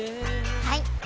はい！